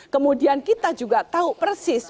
kemudian kita juga tahu persis